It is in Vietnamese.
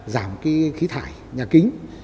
giảm khí thải nhà kính